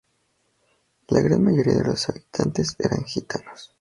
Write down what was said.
La gran mayoría de los habitantes eran gitanos.